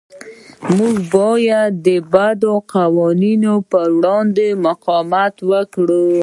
موږ باید د بدو قوانینو پر وړاندې مقاومت وکړو.